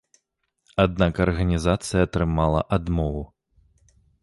Аднак арганізацыя атрымала адмову.